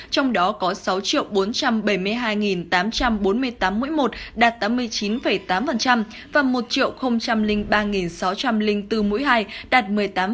trong đó có sáu bốn trăm bảy mươi hai tám trăm bốn mươi tám mũi một đạt tám mươi chín tám và một ba sáu trăm linh bốn mũi hai đạt một mươi tám